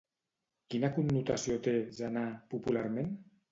Quina connotació té, Zână, popularment?